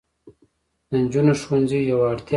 د نجونو ښوونځي یوه اړتیا ده.